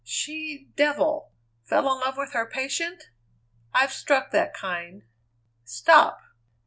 "She devil! Fell in love with her patient? I've struck that kind " "Stop!"